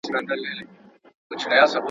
نه په خوله فریاد له سرولمبو لري.